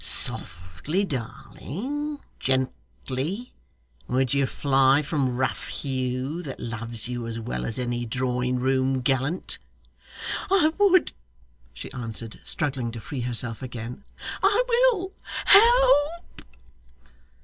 'Softly, darling gently would you fly from rough Hugh, that loves you as well as any drawing room gallant?' 'I would,' she answered, struggling to free herself again. 'I will. Help!